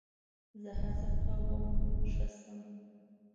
زه هڅه کوم ښه شم.